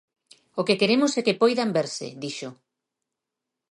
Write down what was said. "O que queremos é que poidan verse", dixo.